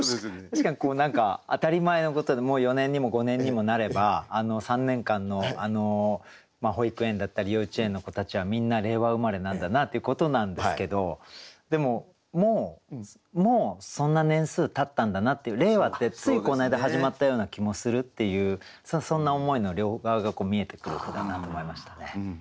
確かにこう何か当たり前のことでもう４年にも５年にもなれば３年間の保育園だったり幼稚園の子たちはみんな令和生まれなんだなっていうことなんですけどでももうもうそんな年数たったんだなっていう令和ってついこの間始まったような気もするっていうそんな思いの両側が見えてくる句だなと思いましたね。